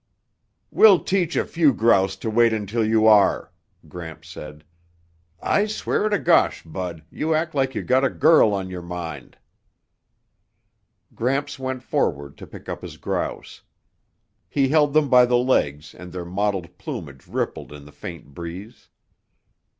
"We'll teach a few grouse to wait until you are," Gramps said. "I swear to gosh, Bud, you act like you got a girl on your mind." Gramps went forward to pick up his grouse. He held them by the legs and their mottled plumage rippled in the faint breeze.